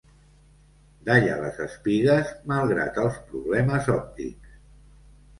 Dalla les espigues malgrat els problemes òptics.